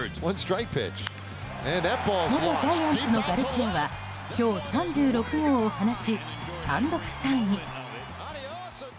元ジャイアンツのガルシアは今日３６号を放ち、単独３位。